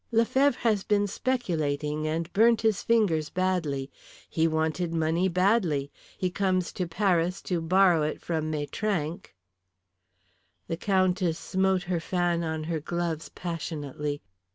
Lefevre has been speculating and burnt his fingers badly. He wanted money badly. He comes to Paris to borrow it from Maitrank " The Countess smote her fan on her gloves passionately.